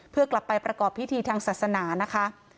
เพื่อกลับไปประกอบพิธีทางศาสนานะคะ